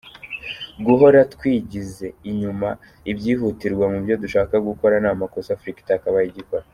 Guhora twigize inyuma ibyihutirwa mu byo dushaka gukora ni amakosa Afurika itakabaye igikora.